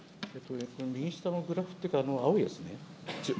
右下のグラフというか、青いやつね。